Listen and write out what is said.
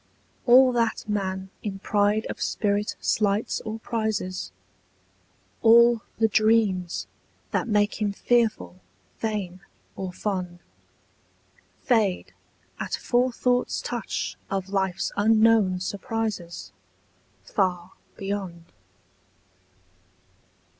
All that man in pride of spirit slights or prizes, All the dreams that make him fearful, fain, or fond, Fade at forethought's touch of life's unknown surprises Far beyond.